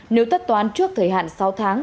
nếu tất toán trước thời hạn sáu tháng